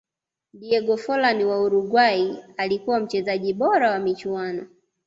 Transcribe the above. diego forlan wa uruguay alikuwa mchezaji bora wa michuano